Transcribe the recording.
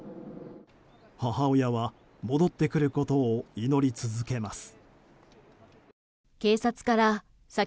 母親は戻ってくることを祈り続けます。